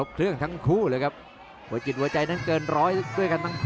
อื้อหือจังหวะขวางแล้วพยายามจะเล่นงานด้วยซอกแต่วงใน